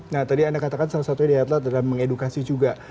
nah tadi anda katakan salah satunya di headlock adalah mengedukasi juga